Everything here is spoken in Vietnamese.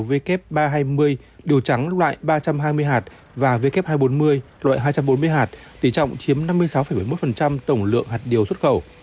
w ba trăm hai mươi điều trắng loại ba trăm hai mươi hạt và w hai trăm bốn mươi loại hai trăm bốn mươi hạt tỷ trọng chiếm năm mươi sáu bảy mươi một tổng lượng hạt điều xuất khẩu